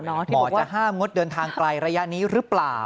หมอจะห้ามงดเดินทางไกลระยะนี้หรือเปล่า